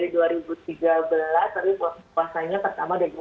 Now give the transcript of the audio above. dari dua ribu tiga belas tapi puasanya pertama dari dua ribu empat belas